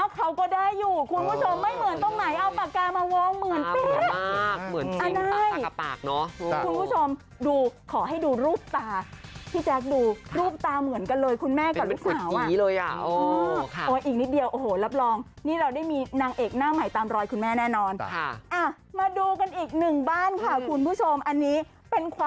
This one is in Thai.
เขาก็ได้อยู่คุณผู้ชมไม่เหมือนตรงไหนเอาปากกามาวงเหมือนเป๊ะ